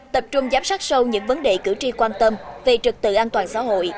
tập trung giám sát sâu những vấn đề cử tri quan tâm về trực tự an toàn xã hội